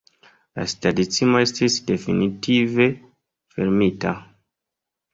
La stacidomo estis definitive fermita.